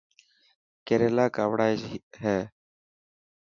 ڪيريلا ڪاوڙائي هي.